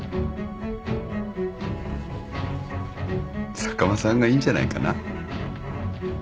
坂間さんがいいんじゃないかな。